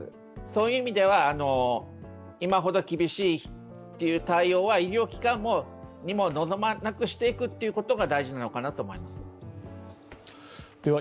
そういう意味では、今ほど厳しい対応は医療機関にも望まなくしていくということが大事なんだと思います。